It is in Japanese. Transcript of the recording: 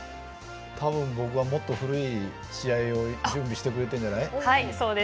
僕は、もっと古い試合を準備してくれてるんじゃない。